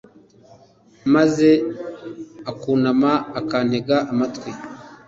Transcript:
maze akunama, akantega amatwi